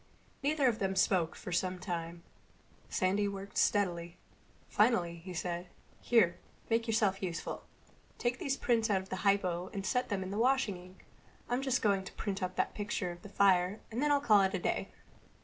Neither of them spoke then for some time. Sandy worked steadily. Finally he said, "Here, make yourself useful. Take these prints out of the hypo and set them washing in the sink. I'm just going to print up that picture of the fire and then I'll call it a day."